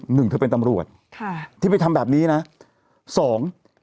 หนึ่งเธอเป็นตำรวจค่ะที่ไปทำแบบนี้นะสอง